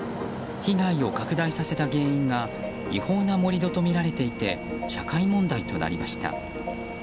被害を拡大させた原因が違法な盛り土とみられていて社会問題となりました。